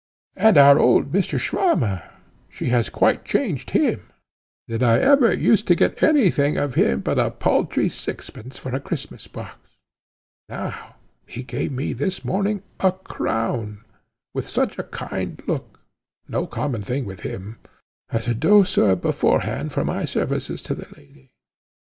And our old Mr. Swammer! she has quite changed him. Did I ever use to get any thing of him but a paltry sixpence for a Christmas box? And now he gave me this morning a crown, with such a kind look no common thing with him as a douceur beforehand for my services to the lady.